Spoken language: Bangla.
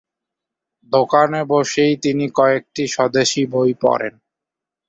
দোকানে বসেই তিনি কয়েকটি স্বদেশী বই পড়েন।